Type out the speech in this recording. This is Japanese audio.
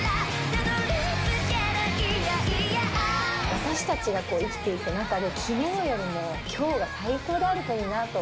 私たちが生きていく中で、きのうよりもきょうが最高であるといいなと。